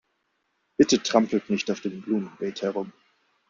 Bitte trampelt nicht auf dem Blumenbeet herum.